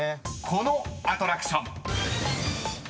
［このアトラクション］